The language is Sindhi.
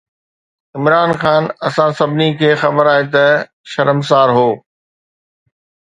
عمران خان، اسان سڀني کي خبر آهي ته شرمسار هو.